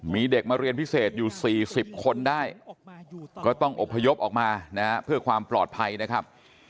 มีเด็กมาเรียนพิเศษอยู่๔๐คนได้ก็ต้องอบพยพออกมานะฮะเพื่อความปลอดภัยนะครับ